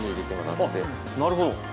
なるほど。